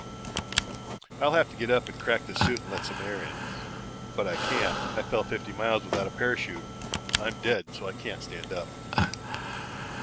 "I'll have to get up and crack this suit and let some air in. But I can't. I fell fifty miles without a parachute. I'm dead so I can't stand up."